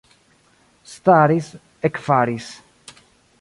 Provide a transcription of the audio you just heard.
Staris, ekfaris.